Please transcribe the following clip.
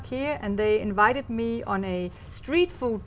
khi đến với sự bảo vệ nền lực